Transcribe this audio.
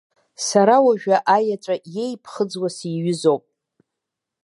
Сара уажәы аеҵәа иеиԥхыӡуа сиҩызоуп.